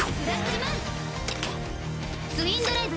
ツインドライブ！